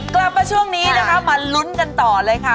กลับมาช่วงนี้นะคะมาลุ้นกันต่อเลยค่ะ